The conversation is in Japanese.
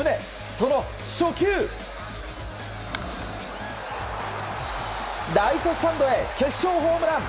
その初球、ライトスタンドへ決勝ホームラン！